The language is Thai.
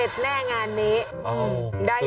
เสร็จแน่งานนี้